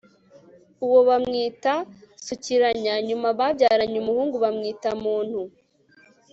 uwo bamwita sukiranya. nyuma, babyaranye umuhungu, bamwita muntu